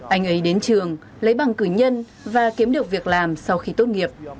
anh ấy đến trường lấy bằng cử nhân và kiếm được việc làm sau khi tốt nghiệp